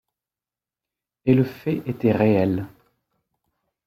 Et le fait était réel.